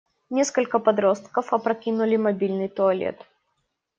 Несколько подростков опрокинули мобильный туалет.